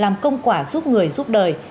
làm công quả giúp người giúp đời